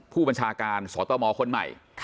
ผู้บัญชาการสตมคนใหม่